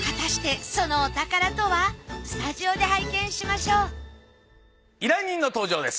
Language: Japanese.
スタジオで拝見しましょう依頼人の登場です。